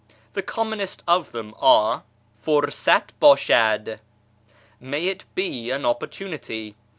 The commonest of them are, " Fitrmt hdshad !"(" May it be an opportunity